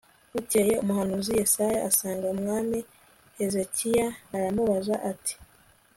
bukeye umuhanuzi yesaya asanga umwami hezekiya aramubaza ati